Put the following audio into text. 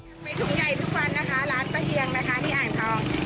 ไปถุงใหญ่ทุกวันนะคะร้านป้าเอียงนะคะที่อ่างทอง